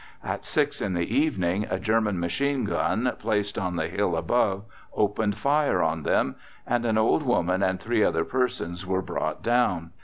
At six in the evening a German machine gun, placed on the hill above, opened fire on them, and an old woman and three other persons were brought down.